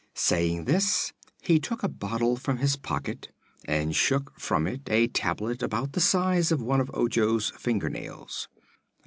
Saying this, he took a bottle from his pocket and shook from it a tablet about the size of one of Ojo's finger nails.